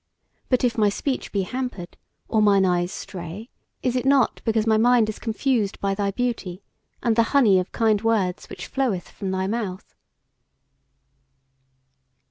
But if my speech be hampered, or mine eyes stray, is it not because my mind is confused by thy beauty, and the honey of kind words which floweth from thy mouth?"